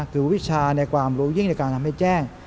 คือวิชาในความรู้ยิ่งในการทำให้แจ้ง